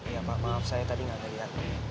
ya pak maaf saya tadi gak jadi anggun